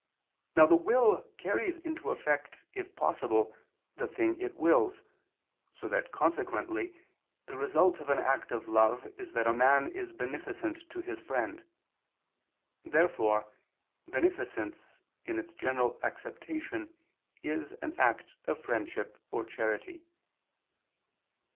Now the will carries into effect if possible, the things it wills, so that, consequently, the result of an act of love is that a man is beneficent to his friend. Therefore beneficence in its general acceptation is an act of friendship or charity.